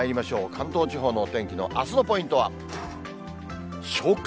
関東地方のお天気のあすのポイントは、初夏。